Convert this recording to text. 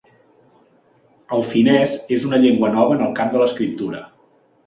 El finès és una llengua nova en el camp de l'escriptura.